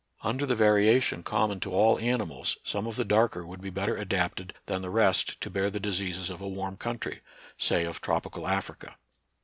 Under the variation common to all animals, some of the darker would ' be better adapted than the rest to bear the diseases of a warm country, — say, of tropical Africa.